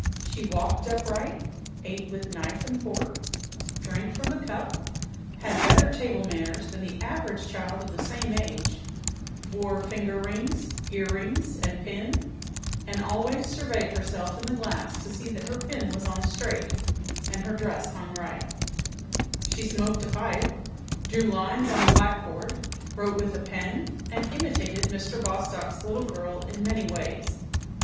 She walked upright, ate with knife and fork, drank from a cup, had better table manners than the average child of the same age, wore finger rings, ear rings, and pin, and always surveyed herself in the glass to see that her pin was on straight, and her dress hung right; she smoked a pipe, drew lines on a blackboard, wrote with a pen, and imitated Mr. Bostock's little girl in many ways.